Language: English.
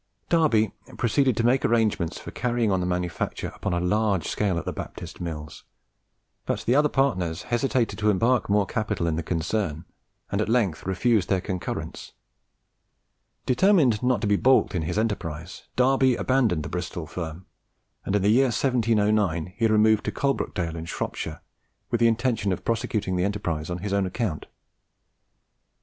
Darby proceeded to make arrangements for carrying on the manufacture upon a large scale at the Baptist Mills; but the other partners hesitated to embark more capital in the concern, and at length refused their concurrence. Determined not to be baulked in his enterprise, Darby abandoned the Bristol firm; and in the year 1709 he removed to Coalbrookdale in Shropshire, with the intention of prosecuting the enterprise on his own account.